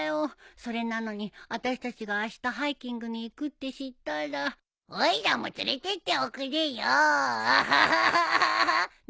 それなのにあたしたちがあしたハイキングに行くって知ったら「おいらも連れてっておくれよアハハハハ」なんて言い出してさ。